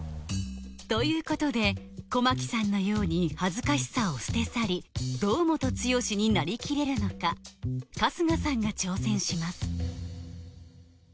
ということで小牧さんのように恥ずかしさを捨て去り堂本剛になりきれるのか春日さんが挑戦します